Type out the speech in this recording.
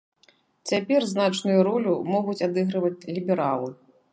Цяпер значную ролю могуць адыгрываць лібералы.